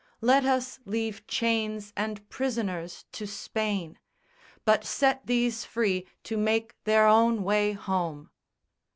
Let us leave chains and prisoners to Spain; But set these free to make their own way home!"